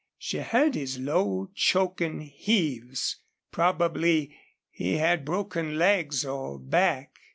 She heard his low, choking heaves. Probably he had broken legs or back.